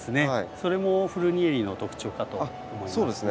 それもフルニエリの特徴かと思いますね。